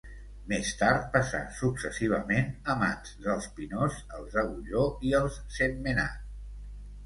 Més tard passà successivament a mans del Pinós, els Agulló i els Sentmenat.